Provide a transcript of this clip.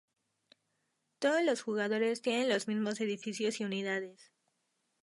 Todos los jugadores tienen los mismos edificios y unidades.